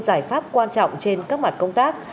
giải pháp quan trọng trên các mặt công tác